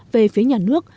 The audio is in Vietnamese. về phía nhà nước